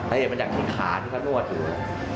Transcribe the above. อาเหตุมันจากที่ขาที่เค้านวดเลย